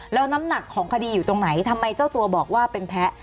แล้วน้ำหนักของคดีอยู่ตรงไหนทำไมเจ้าตัวบอกว่าเป็นแพ้